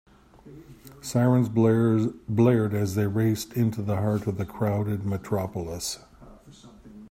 Sirens blared as they raced into the heart of the crowded metropolis.